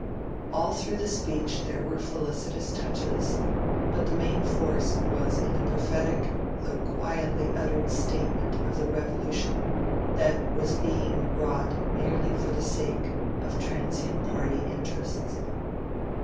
All through the speech there were felicitous touches, but the main force was in the prophetic though quietly uttered statement of the revolution that was being wrought merely for the sake of transient party interests.